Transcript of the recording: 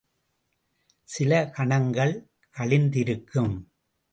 சில கணங்கள் கழிந்திருக்கும்.